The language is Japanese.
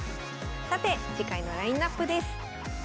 さて次回のラインナップです。